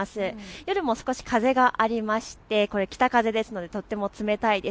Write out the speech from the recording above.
夜も少し風がありまして北風ですのでとっても冷たいです。